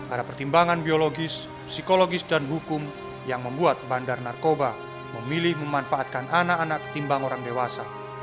ada pertimbangan biologis psikologis dan hukum yang membuat bandar narkoba memilih memanfaatkan anak anak ketimbang orang dewasa